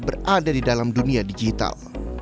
berada di dalam dunia digital